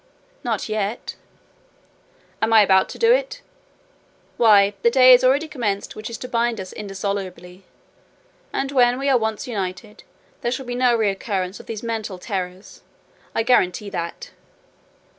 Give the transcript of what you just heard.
"Not yet." "Am I about to do it? Why, the day is already commenced which is to bind us indissolubly; and when we are once united, there shall be no recurrence of these mental terrors: I guarantee that."